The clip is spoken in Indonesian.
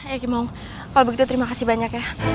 ya kimong kalau begitu terima kasih banyak ya